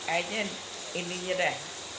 airnya ini aja deh